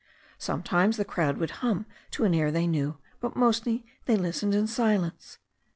Sometimes the crowd would hum to an air they knew, but mostly they listened in silence.